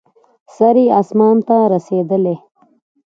سر یې اسمان ته رسېدلی.